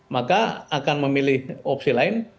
maka akan memilih opsi lain